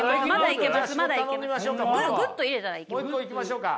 もう一個いきましょうか。